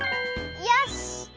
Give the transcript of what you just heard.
よし！